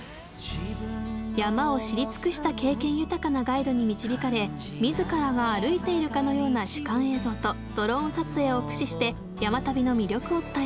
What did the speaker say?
山を知り尽くした経験豊かなガイドに導かれ自らが歩いているかのような主観映像とドローン撮影を駆使して山旅の魅力を伝えます。